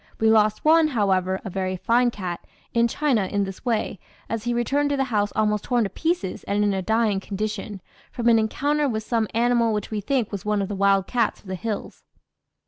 We lost one, however, a very fine cat, in China in this way, as he returned to the house almost torn to pieces and in a dying condition, from an encounter with some animal which we think was one of the wild cats of the hills.